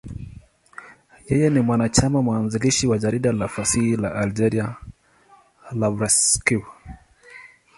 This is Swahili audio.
Yeye ni mwanachama mwanzilishi wa jarida la fasihi la Algeria, L'Ivrescq.